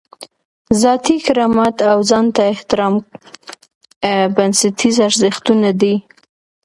ذاتي کرامت او ځان ته احترام بنسټیز ارزښتونه دي.